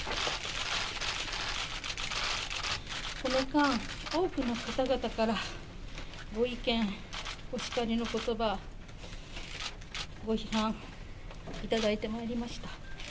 この間、多くの方々からご意見、お叱りのことば、ご批判、頂いてまいりました。